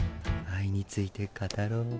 愛について語ろう。